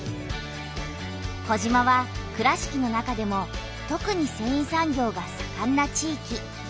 児島は倉敷の中でもとくにせんい産業がさかんな地域。